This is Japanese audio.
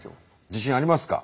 自信ありますか？